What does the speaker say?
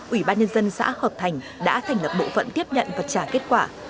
ủy ban nhân dân xã hợp thành đã thành lập bộ phận tiếp nhận và trả kết quả